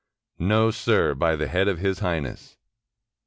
"No, sir, by the head of His Highness."